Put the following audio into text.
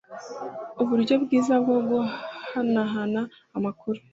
uburyo bwiza bwo guhanahana amakuru